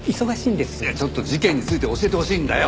いやちょっと事件について教えてほしいんだよ。